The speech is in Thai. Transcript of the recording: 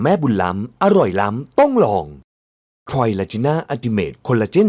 จะเอาอย่างนี้จะเอาอย่างนั้น